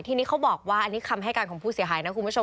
ทีนี้เขาบอกว่าอันนี้คำให้การของผู้เสียหายนะคุณผู้ชม